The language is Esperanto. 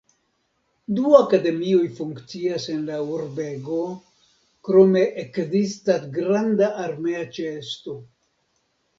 Du akademioj funkcias en la urbego, krome ekzistas granda armea ĉeesto.